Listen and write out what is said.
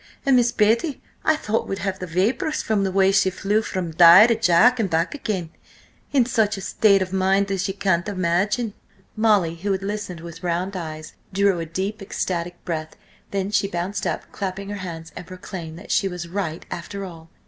And Miss Betty I thought would have the vapours from the way she flew from Di to Jack and back again, in such a state of mind as ye can't imagine!" Molly, who had listened with round eyes, drew a deep ecstatic breath. Then she bounced up, clapping her hands, and proclaimed that she was right after all!